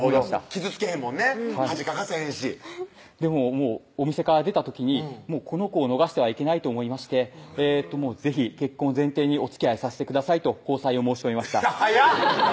傷つけへんもんね恥かかせへんしもうお店から出た時にこの子を逃してはいけないと思いまして「是非結婚を前提におつきあいさしてください」と交際を申し込みました早っ！